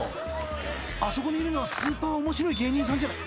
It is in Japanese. ［あそこにいるのはスーパー面白い芸人さんじゃない］